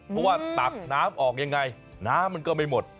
เพราะว่าตักน้ำออกยังไงน้ำมันก็ไม่หมด